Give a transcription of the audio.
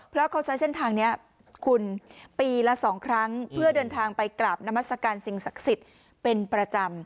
เพราะเขาใช้เส้นทางนี้คุณปีละ๒ครั้งเพื่อเดินทางไปกราบนามัศกาลสิ่งศักดิ์สิทธิ์เป็นประจำ